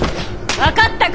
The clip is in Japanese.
分かったか！